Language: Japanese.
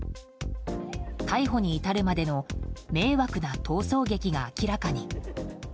逮捕に至るまでの迷惑な逃走劇が明らかに。